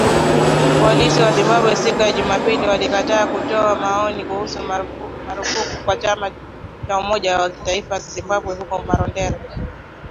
Polisi wa Zimbabwe, siku ya Jumapili walikataa kutoa maoni kuhusu marufuku kwa chama cha umoja wa kitaifa wa Zimbabwe huko Marondera.